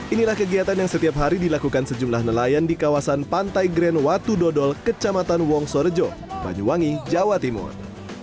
inilah kegiatan yang setiap hari dilakukan sejumlah nelayan di kawasan pantai grand watu dodol kecamatan wongsorejo banyuwangi jawa timur